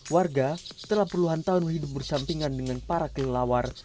warga telah puluhan tahun hidup bersampingan dengan para kelelawar